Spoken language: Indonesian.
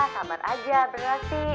sabar aja berarti